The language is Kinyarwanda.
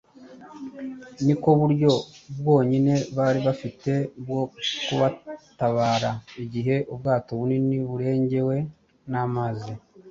ni ko buryo bwonyine bari bafite bwo kubatabara igihe ubwato bunini burengewe n’amazi.